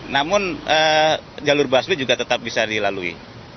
namun jalur busway juga tetap bisa dilalui